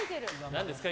何ですか？